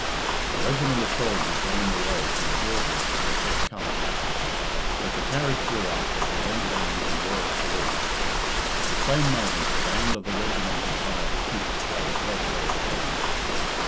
A regiment of soldiers lined the way from the drawbridge to the porlcullis. As the carriage drew up, they presented arms in royal salute. At the same moment the band of the regiment inside the Keep played "God save the Queen."